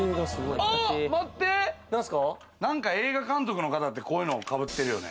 待って、何か映画監督の方ってこういうのをかぶってるよね。